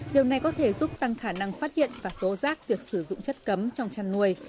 điều này có thể giúp tăng khả năng phát hiện và tố giác việc sử dụng chất cấm trong chăn nuôi